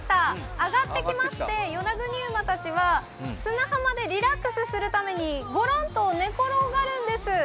あがってきましてヨナグニウマたちは砂浜でリラックスするためにごろんと寝ころがるんです。